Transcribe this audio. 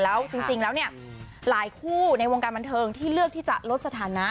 แล้วจริงแล้วเนี่ยหลายคู่ในวงการบันเทิงที่เลือกที่จะลดสถานะ